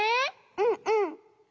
うんうん。